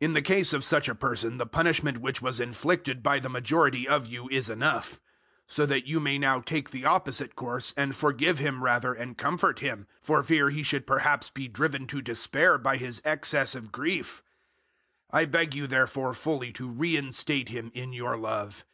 002:006 In the case of such a person the punishment which was inflicted by the majority of you is enough. 002:007 So that you may now take the opposite course, and forgive him rather and comfort him, for fear he should perhaps be driven to despair by his excess of grief. 002:008 I beg you therefore fully to reinstate him in your love.